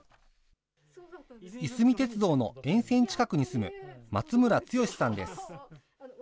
いすみ鉄道の沿線近くに住む、松村剛さんです。